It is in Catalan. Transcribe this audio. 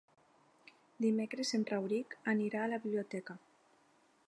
Dimecres en Rauric anirà a la biblioteca.